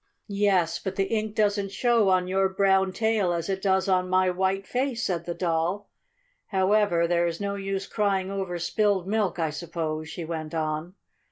"Yes, but the ink doesn't show on your brown tail as it does on my white face," said the Doll. "However, there is no use crying over spilled milk, I suppose," she went on.